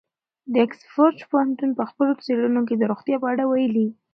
د اکسفورډ پوهنتون په خپلو څېړنو کې د روغتیا په اړه ویلي.